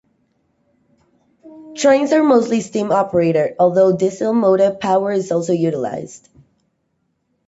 Trains are mostly steam-operated, although diesel motive power is also utilised.